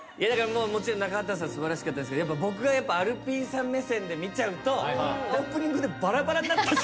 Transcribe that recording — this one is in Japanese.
もちろん中畑さん素晴らしかったですけど僕がアルピーさん目線で見ちゃうとオープニングでばらばらになった瞬間が。